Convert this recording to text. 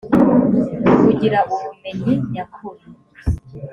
kugira ubumenyi nyakuri